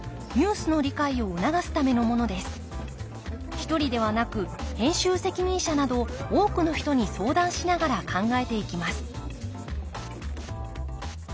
一人ではなく編集責任者など多くの人に相談しながら考えていきます